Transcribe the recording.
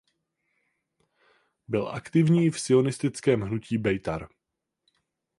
Byl aktivní v sionistickém hnutí Bejtar.